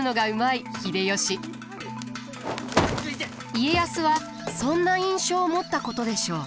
家康はそんな印象を持ったことでしょう。